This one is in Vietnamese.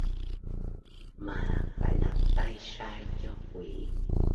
mà phải làm tay sai cho quỷ